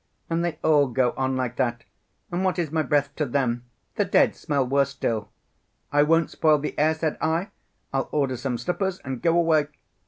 And they all go on like that! And what is my breath to them? The dead smell worse still! 'I won't spoil the air,' said I, 'I'll order some slippers and go away.